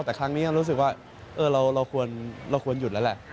แต่ครั้งนี้รู้สึกว่าเราควรหยุดแล้วแหละ